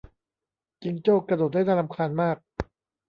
จิงโจ้กระโดดได้น่ารำคาญมาก